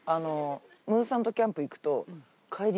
ムーさんとキャンプ行くと帰り